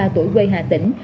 sáu mươi ba tuổi quê hà tĩnh